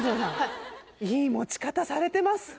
いい持ち方されてます！